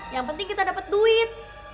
yang penting kita dapat duit